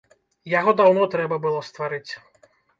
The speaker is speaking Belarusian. Яго даўно трэба было стварыць.